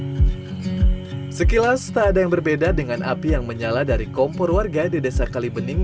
hai sekilas tak ada yang berbeda dengan api yang menyala dari kompor warga di desa kalibening